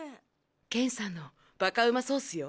健さんのバカうまソースよ。